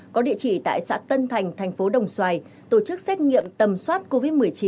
có địa chỉ tại xã tân thành thành phố đồng xoài tổ chức xét nghiệm tầm soát covid một mươi chín